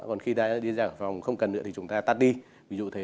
còn khi ra đi ra phòng không cần nữa thì chúng ta tắt đi ví dụ thế